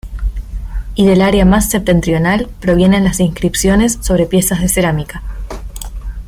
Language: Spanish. Y del área más septentrional provienen las inscripciones sobre piezas de cerámica.